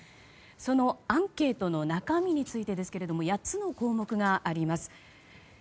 そのアンケートの中身についてですが８つの項目があります。